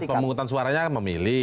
saat pemungutan suaranya memilih